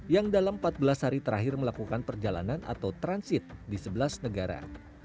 yang dalam empat belas hari terakhir melakukan perjalanan atau transit di sebelas negara